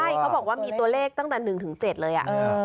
ใช่เขาบอกว่ามีตัวเลขตั้งแต่๑๗เลย